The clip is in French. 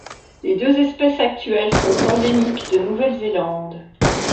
Les deux espèces actuelles sont endémiques de Nouvelle-Zélande.